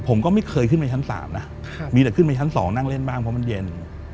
ผมก็ไม่เคยขึ้นไปชั้น๓นะมีแต่ขึ้นไปชั้น๒นั่งเล่นบ้างเพราะมันเย็น